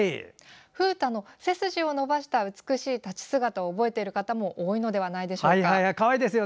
風太の背筋を伸ばした美しい立ち姿を覚えている方も多いのではないでしょうか。